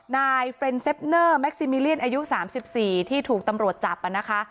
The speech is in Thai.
นายเฟรนดเซฟเนอร์แม็กซิมิเลียนอายุ๓๔ที่ถูกตำรวจจับนะคะ